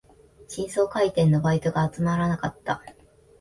新装開店のバイトが集まらなかった